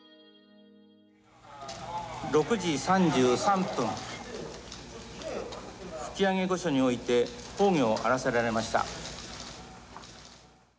「６時３３分吹上御所において崩御あらせられました」。